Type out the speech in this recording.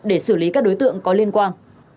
để xử lý các đối tượng có liên quan